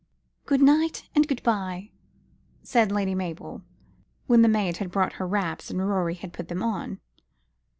"Good night and good bye," said Lady Mabel, when the maid had brought her wraps, and Rorie had put them on.